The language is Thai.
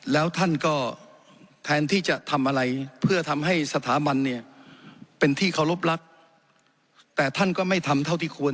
แล้วท่านก็แทนที่จะทำอะไรเพื่อทำให้สถาบันเนี่ยเป็นที่เคารพรักแต่ท่านก็ไม่ทำเท่าที่ควร